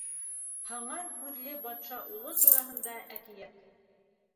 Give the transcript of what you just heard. ҺЫҢАР КҮҘЛЕ БАТША УЛЫ ТУРАҺЫНДА ӘКИӘТ